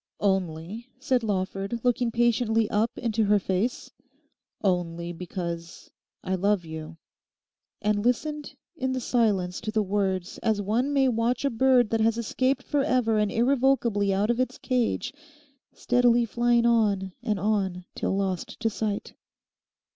'Only,' said Lawford, looking patiently up into her face, 'only because I love you': and listened in the silence to the words as one may watch a bird that has escaped for ever and irrevocably out of its cage, steadily flying on and on till lost to sight.